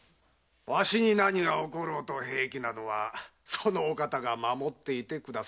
わしに何が起ころうと平気なのはその方が守ってくださるからだ。